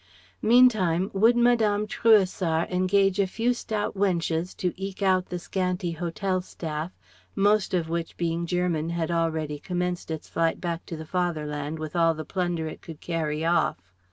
Meantime, would Madame Trouessart engage a few stout wenches to eke out the scanty hotel staff, most of which being German had already commenced its flight back to the fatherland with all the plunder it could carry off.